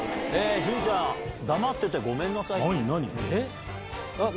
潤ちゃん、黙っててごめんなさい何何？